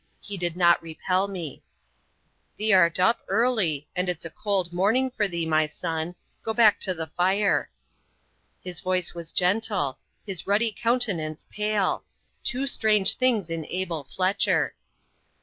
He did not repel me. "Thee'rt up early, and it's a cold morning for thee, my son. Go back to the fire." His voice was gentle; his ruddy countenance pale; two strange things in Abel Fletcher.